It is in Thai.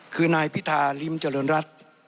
คือนายพิธาริมเจริญรัฐ